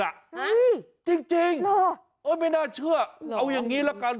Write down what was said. จริงเหรอโอ้ยไม่น่าเชื่อเอาอย่างนี้ละกัน